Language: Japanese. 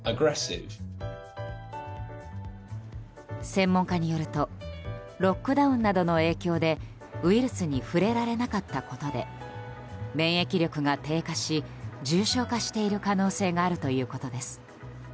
専門家によるとロックダウンなどの影響でウイルスに触れられなかったことで免疫力が低下し重症化している可能性があるということです。